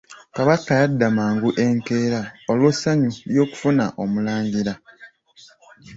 Kabaka yadda mangu enkeera olw'essanyu ly'okufuna omulangira.